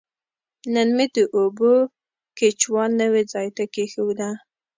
نن مې د اوبو کیچوا نوي ځای ته کیښود.